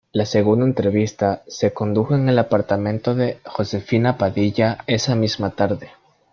La segunda entrevista se condujo en el apartamento de Josefina Padilla, esa misma tarde.